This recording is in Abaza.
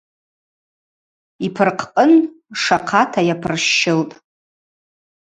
Йпыркъкъын шахъата йапырщылтӏ.